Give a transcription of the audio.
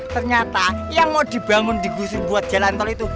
ternyata yang mau dibangun digusur buat jalan tol itu